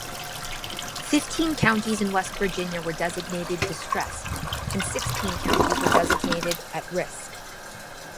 Fifteen counties in West Virginia were designated "distressed," and sixteen counties were designated "at-risk.